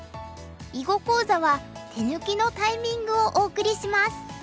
囲碁講座は「手抜きのタイミング」をお送りします。